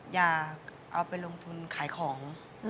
อยากเอาไปลงทุนขายของ